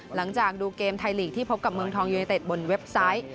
หลังจากดูเกมไทยลีกที่พบกับเมืองทองยูเนเต็ดบนเว็บไซต์